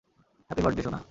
Happy birthday, সোনা!